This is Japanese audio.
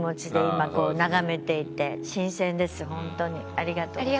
ありがとうございます。